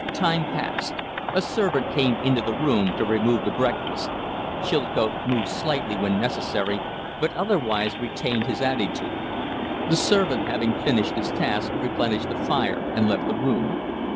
Time passed. A servant came into the room to remove the breakfast. Chilcote moved slightly when necessary, but otherwise retained his attitude. The servant, having finished his task, replenished the fire and left the room.